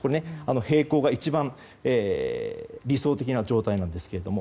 平行が一番理想的な状態なんですけど。